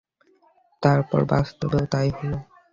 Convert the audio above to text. তারপর বাস্তবেও তাই হল।